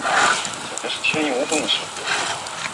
麦珠子为鼠李科麦珠子属下的一个种。